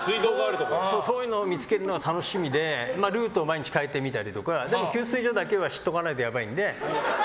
そういうのを見つけるのが楽しみでルートを毎日変えてみたりとか給水所だけは知っておかないとやばいんで。